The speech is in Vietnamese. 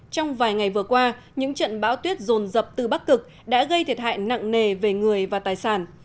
trong vài ngày vừa qua những trận bão tuyết rồn rập từ bắc cực đã gây thiệt hại nặng nề về người và tài sản